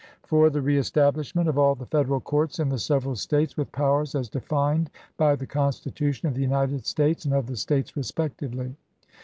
" 4. The reestablishment of all the Federal Courts in the several States, with powers as defined by the Constitution of the United States and of the States respectively.